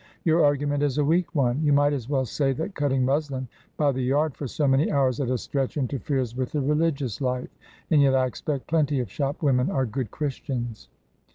Your argument is a weak one. You might as well say that cutting muslin by the yard for so many hours at a stretch interferes with the religious life; and yet I expect plenty of shop women are good Christians."